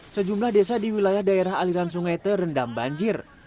sejumlah desa di wilayah daerah aliran sungai terendam banjir